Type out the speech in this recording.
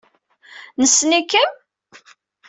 Nessen-ikem?